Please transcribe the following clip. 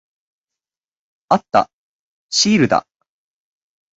あった。シールだ。